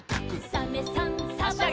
「サメさんサバさん」